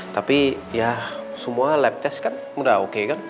tapi ya semua lab test kan udah oke kan